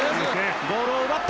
ボールを奪った。